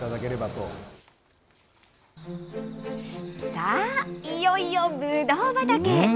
さあ、いよいよ、ぶどう畑へ。